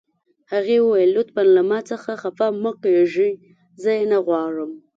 هغې وویل: لطفاً له ما څخه خفه مه کیږئ، زه یې نه غواړم.